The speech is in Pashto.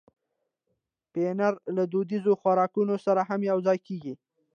پنېر له دودیزو خوراکونو سره هم یوځای کېږي.